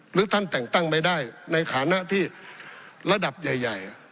หรือท่านแต่งตั้งไม่ได้ในฐานะที่ระดับใหญ่